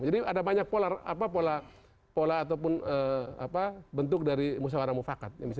jadi ada banyak pola atau bentuk dari musawarah mufakat